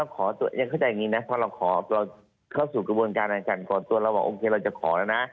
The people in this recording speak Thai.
ขอเข้าสู่กระบวนการอาทรรพ์ก่อนตัวแล้วบอกโอเคเราจะขอนะ